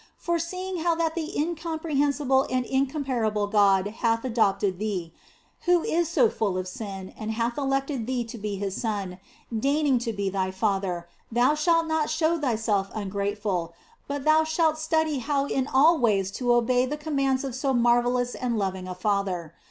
For seeing how that the incom prehensible and incomparable God hath adopted thee, who are so full of sin, and hath elected thee to be His son, deigning to be thy Father, thou shalt not show thyself un grateful, but thou shalt study how in all ways to obey the commands of so marvellous and loving a Father.